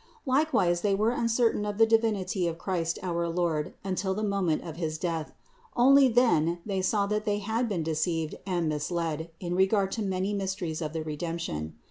Likewise they were uncertain of the Divinity of Christ our Lord until the moment of his Death ; only then they saw that they had been deceived and misled in regard to many mysteries of the Redemption.